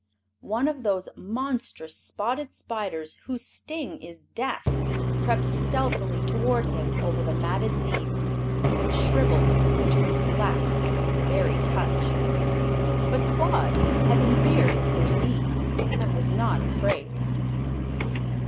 One of those monstrous spotted spiders whose sting is death crept stealthily toward him over the matted leaves, which shriveled and turned black at its very touch. But Claus had been reared in Burzee, and was not afraid.